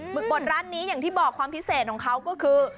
ึกบดร้านนี้อย่างที่บอกความพิเศษของเขาก็คือ